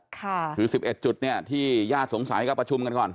ถือ๑๑จุดที่ญาติสงสัยกับประชุมกันก่อน